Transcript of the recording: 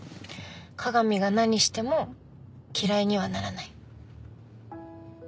加賀美が何しても嫌いにはならない。